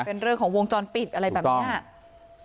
เป็นเรื่องของวงจรปิดอะไรแบบนี้